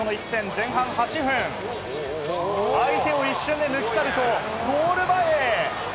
前半８分、相手を一瞬で抜き去ると、ゴール前へ。